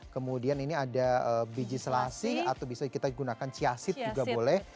kemudian ini ada biji selasi atau bisa kita gunakan ciasit juga boleh